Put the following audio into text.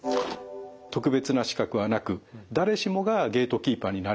特別な資格はなく誰しもがゲートキーパーになれる。